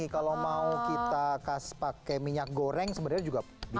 kalau mau kita pakai minyak goreng sebenarnya juga bisa